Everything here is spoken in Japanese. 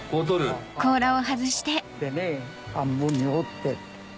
でね半分に折って。